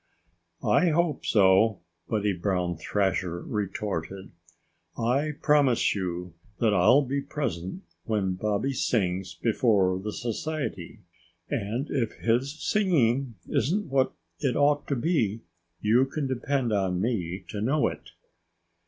"I hope so," Buddy Brown Thrasher retorted. "I promise you that I'll be present when Bobby sings before the Society. And if his singing isn't what it ought to be, you can depend on me to know it."